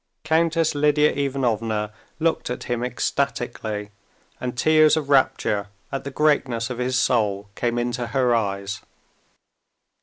Countess Lidia Ivanovna looked at him ecstatically, and tears of rapture at the greatness of his soul came into her eyes.